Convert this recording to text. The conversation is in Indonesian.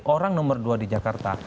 orang nomor dua di jakarta